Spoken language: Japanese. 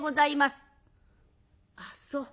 「あっそう。